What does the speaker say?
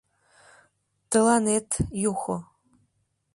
Тыланет, Юхо...